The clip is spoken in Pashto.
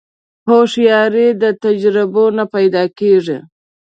هوښیاري د تجربو نه پیدا کېږي.